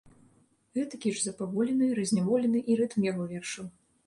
Гэтакі ж запаволены, разняволены і рытм яго вершаў.